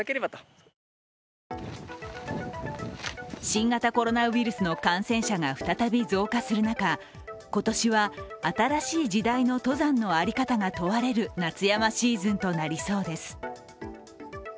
新型コロナウイルスの感染者が再び増加する中今年は新しい時代の登山の在り方が問われる夏山シーズンとなりそうです。